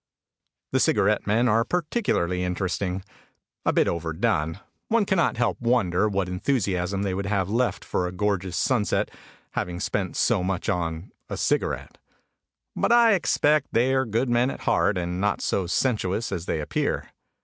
The cigarette men are particularly interesting. A bit over done. One cannot help wonder what enthusiasm they would have left for a gorgeous sunset having spent so much on, a cigarette. But I expect they are good men at heart and not so sensuous as they appear.